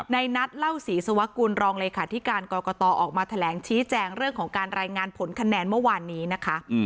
ในนัดเล่าศรีสวกุลรองเลขาธิการกรกตออกมาแถลงชี้แจงเรื่องของการรายงานผลคะแนนเมื่อวานนี้นะคะ